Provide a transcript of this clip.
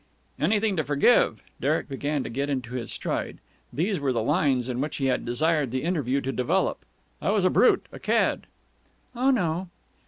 "Anything to forgive!" Derek began to get into his stride. These were the lines on which he had desired the interview to develop. "I was a brute! A cad!" "Oh, no!"